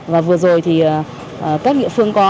và vừa rồi thì các địa phương có